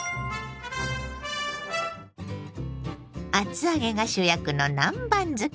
厚揚げが主役の南蛮漬け。